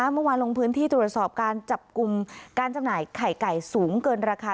เมื่อวานลงพื้นที่ตรวจสอบการจับกลุ่มการจำหน่ายไข่ไก่สูงเกินราคา